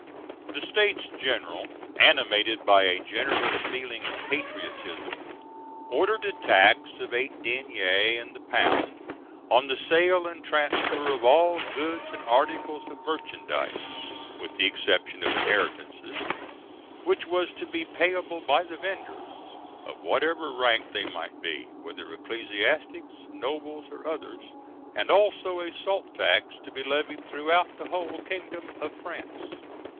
The States General, animated by a generous feeling of patriotism, "ordered a tax of eight deniers in the pound on the sale and transfer of all goods and articles of merchandise, with the exception of inheritances, which was to be payable by the vendors, of whatever rank they might be, whether ecclesiastics, nobles, or others, and also a salt tax to be levied throughout the whole kingdom of France."